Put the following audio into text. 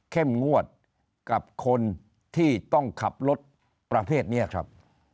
งวดกับคนที่ต้องขับรถประเภทนี้ครับ